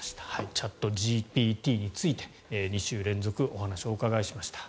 チャットＧＰＴについて２週連続でお話をお伺いしました。